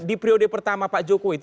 di periode pertama pak jokowi itu